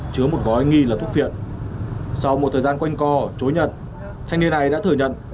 chứa một bói nghi là thuốc phiện sau một thời gian quanh co chối nhận thanh niên này đã thừa nhận